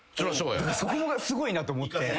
そこがすごいなと思って。